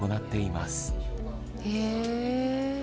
へえ。